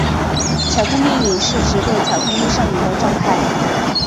巧克力瘾是指对巧克力上瘾的状态。